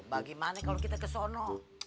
bagaimana kalau kita kesono